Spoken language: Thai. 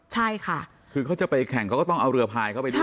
ใช่ค่ะคือเขาจะไปแข่งเขาก็ต้องเอาเรือพายเข้าไปด้วย